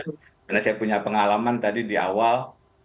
karena saya punya pengalaman tadi di awal